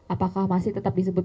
apakah masih tetap disebut